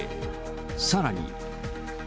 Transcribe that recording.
さらに。